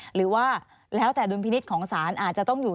หรือว่าแล้วแต่ดุลพินิษฐ์ของศาลอาจจะต้องอยู่